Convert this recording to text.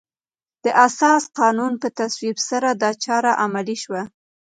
د اساسي قانون په تصویب سره دا چاره عملي شوه.